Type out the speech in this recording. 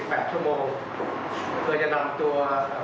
โดดเตือนกับทางผู้กรณีนะครับทางทุกป่ายนะครับ